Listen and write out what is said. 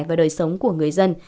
và đời sống của người dân